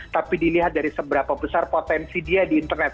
tapi dilihat dari seberapa besar potensi dia di internet